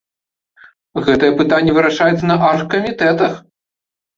Гэтае пытанне вырашаецца на аргкамітэтах.